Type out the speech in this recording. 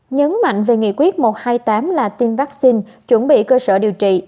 nhấn mạnh về nghị quyết một trăm hai mươi tám là tiêm vaccine chuẩn bị cơ sở điều trị